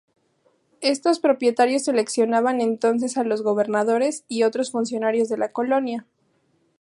Estos propietarios seleccionaban entonces a los gobernadores y otros funcionarios de la colonia.